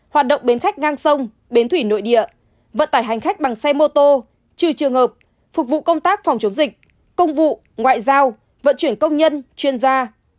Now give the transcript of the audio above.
hoạt động bến khách ngang sông bến thủy nội địa vận tải hành khách bằng xe mô tô trừ trường hợp phục vụ công tác phòng chống dịch công vụ ngoại giao vận chuyển công nhân chuyên gia